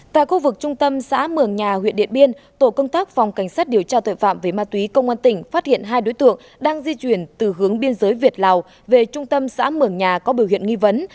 tại khu vực trung tâm xã mường nhà huyện điện biên tổ công tác phòng cảnh sát điều tra tội phạm về ma túy công an tỉnh phát hiện hai đối tượng đang di chuyển từ hướng biên giới việt lào về trung tâm xã mường nhà có biểu hiện nghi vấn